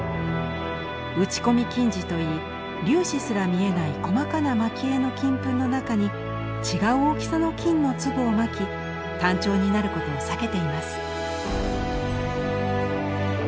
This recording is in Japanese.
「打ち込み金地」といい粒子すら見えない細かな蒔絵の金粉の中に違う大きさの金の粒をまき単調になることを避けています。